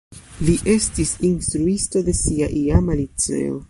Li estis instruisto de sia iama liceo.